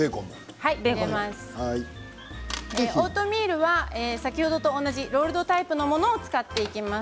はい、オートミールは先ほどと同じロールドタイプのものを使います。